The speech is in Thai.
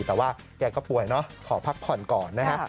แต่ว่าแกก็ป่วยเนอะขอพักผ่อนก่อนนะฮะ